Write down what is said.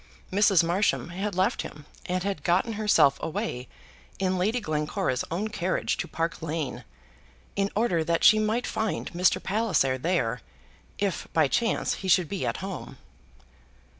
Mrs. Marsham had left him, and had gotten herself away in Lady Glencora's own carriage to Park Lane, in order that she might find Mr. Palliser there, if by chance he should be at home.